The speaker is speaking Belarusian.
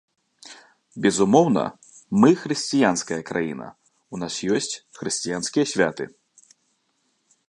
Безумоўна, мы хрысціянская краіна, у нас ёсць хрысціянскія святы.